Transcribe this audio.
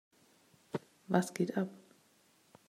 Was geht ab?